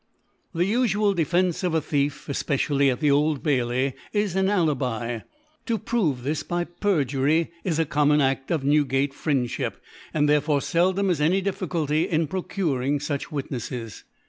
The ufual Defence of a Thief, efpeci ally at the Old Bailey, is an /llibi *: To prove this by Perjury is a contimon Aft of Newgate Friendlhip ; and there feldom is any Difficulty in procuring fach Witneffes.